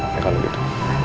oke kalau gitu